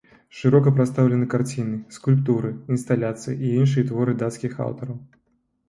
Шырока прадстаўлены карціны, скульптуры, інсталяцыі і іншыя творы дацкіх аўтараў.